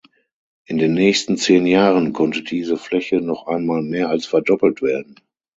In den nächsten zehn Jahren konnte diese Fläche noch einmal mehr als verdoppelt werden.